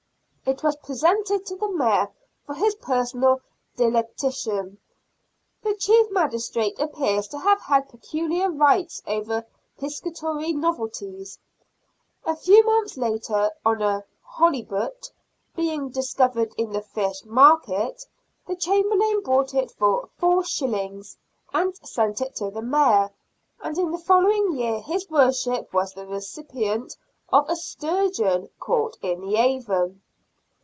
It was presented to the Mayor for his personal delectation. The chief magistrate appears to have had peculiar rights over piscatory novelties. A few months later, on a " holibut " being discovered in the fish market, the Chamberlain bought it for 4s. and sent it to the Mayor, and in the following year his worship was the recipient of a sturgeon, caught in the Avon.